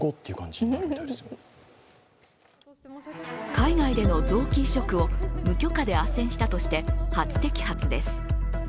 海外での臓器移植を無許可であっせんしたとして、初摘発です。